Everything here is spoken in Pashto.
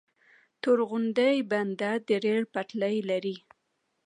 تورغونډۍ بندر د ریل پټلۍ لري؟